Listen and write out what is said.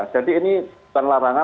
jadi ini bukan larangan